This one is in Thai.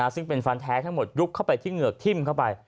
ซึ่งเป็นฟันแท้ทั้งหมดยุบเข้าไปที่เหงือกทิ้มเข้าไป